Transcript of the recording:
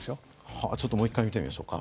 はあちょっともう一回見てみましょうか。